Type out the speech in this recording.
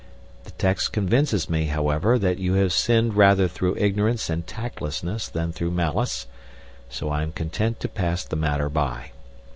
The context convinces me, however, that you have sinned rather through ignorance and tactlessness than through malice, so I am content to pass the matter by.